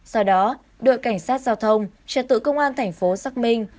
sau đó đội cảnh sát giao thông trật tự công an thành phố xác minh